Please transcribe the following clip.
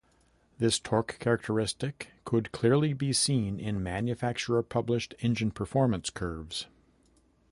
This torque characteristic could clearly be seen in manufacturer published engine performance curves.